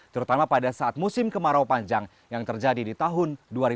terutama pada saat musim kemarau panjang yang terjadi di tahun dua ribu dua puluh